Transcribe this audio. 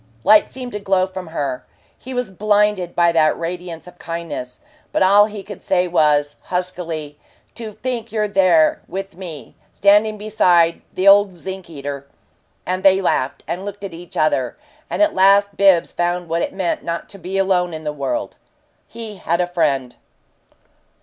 Light seemed to glow from her; he was blinded by that radiance of kindness. But all he could say was, huskily, "To think you're there with me standing beside the old zinc eater " And they laughed and looked at each other, and at last Bibbs found what it meant not to be alone in the world. He had a friend.